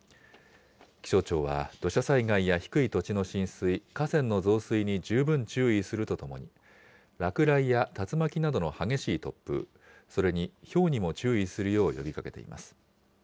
気象庁は土砂災害や低い土地の浸水、河川の増水に十分注意するとともに、落雷や竜巻などの激しい突風、それにひょうにも注意するよう呼びかけています。